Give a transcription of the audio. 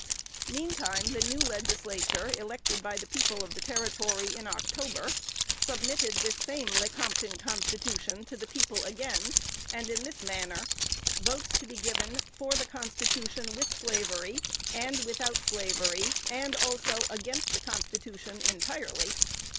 Meantime the new Legislature elected by the people of the Territory in October submitted this same Lecompton Constitution to the people again, and in this manner: votes to be given for the constitution with slavery and without slavery, and also against the constitution entirely.